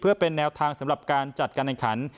เพื่อเป็นแนวทางสำหรับการจัดการแห่งขัน